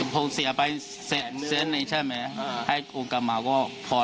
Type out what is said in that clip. ผมเสียไปเซ็นต์หนึ่งใช่ไหมให้กลับมาก็พอแล้ว